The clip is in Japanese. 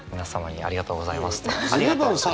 ありがとうございます。